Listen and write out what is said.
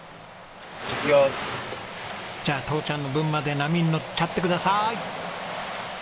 じゃあ父ちゃんの分まで波に乗っちゃってください！